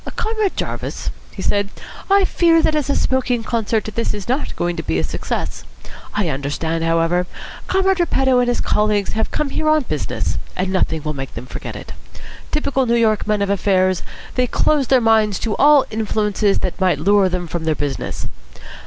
"Comrade Jarvis," he said, "I fear that as a smoking concert this is not going to be a success. I understand, however. Comrade Repetto and his colleagues have come here on business, and nothing will make them forget it. Typical New York men of affairs, they close their minds to all influences that might lure them from their business.